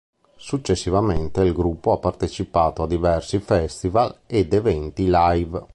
Successivamente il gruppo ha partecipato a diversi festival ed eventi live.